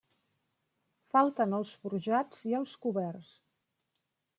Falten els forjats i els coberts.